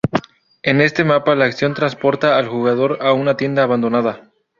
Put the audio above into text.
En este mapa la acción transporta al jugador a una tienda abandonada.